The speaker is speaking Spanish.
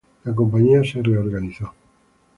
La compañía se reorganizó.